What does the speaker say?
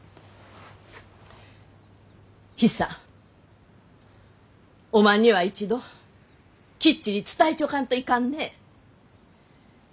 ヒサおまんには一度きっちり伝えちょかんといかんね。